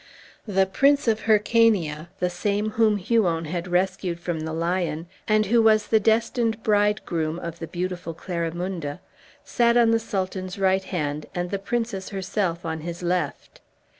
The Prince of Hyrcania, the same whom Huon had rescued from the lion, and who was the destined bridegroom of the beautiful Clarimunda, sat on the Sultan's right hand, and the princess herself on his left.